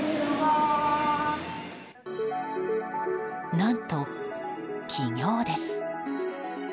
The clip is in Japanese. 何と起業です。